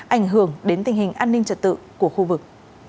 ảnh hưởng đến tình hình an ninh trật tự của khu vực